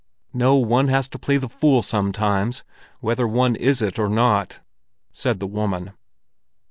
"No, one has to play the fool sometimes, whether one is it or not," said the woman.